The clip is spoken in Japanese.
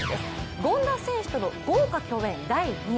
権田選手との豪華共演第２夜。